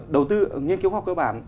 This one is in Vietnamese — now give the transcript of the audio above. đầu tư nghiên cứu khoa học cơ bản